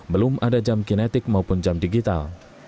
belum ada jam kinetik maupun jam digital